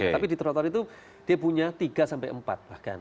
tapi di trotoar itu dia punya tiga sampai empat bahkan